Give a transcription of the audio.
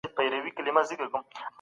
د نظم اصول پلي کېږي.